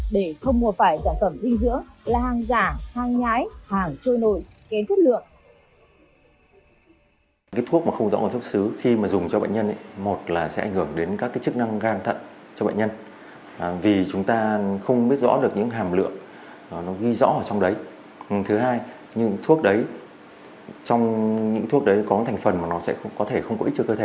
để không mua phải sản phẩm dinh dưỡng